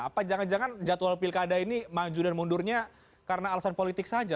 apa jangan jangan jadwal pilkada ini maju dan mundurnya karena alasan politik saja